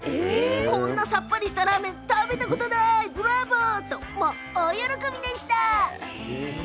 こんなさっぱりしたラーメン食べたことない、ブラボーと大喜びでした。